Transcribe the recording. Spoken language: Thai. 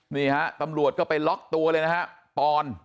นี่ฮะตำรวจก็ไปล็อกตัวเลยนะฮะปอน